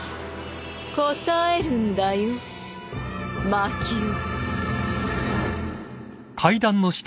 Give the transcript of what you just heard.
答えるんだよまきを。